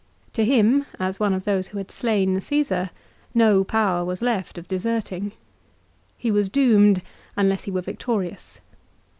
To him, as one of those who had slain Cassar, no power was left of deserting. He was doomed unless he were victorious.